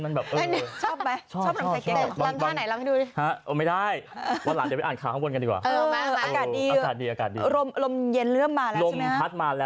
ไม่เกินนะไม่เกินค่ะมาตรฐาน